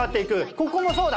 ここもそうだ。